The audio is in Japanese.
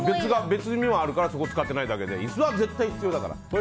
別にもあるからそこを使ってないだけで椅子は絶対必要だから。